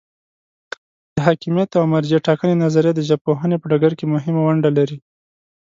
د حاکمیت او مرجع ټاکنې نظریه د ژبپوهنې په ډګر کې مهمه ونډه لري.